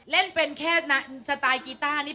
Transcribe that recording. เล่นเป็นแค่สไตล์กีต้านี่